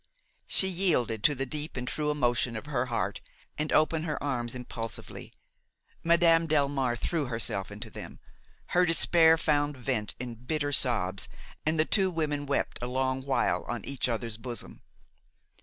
She yielded to the deep and true emotion of her heart and opened her arms impulsively. Madame Delmare threw herself into them; her despair found vent in bitter sobs and the two women wept a long while on each other's bosom.